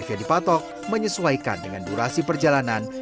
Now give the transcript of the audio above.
yang dipatok menyesuaikan dengan durasi perjalanan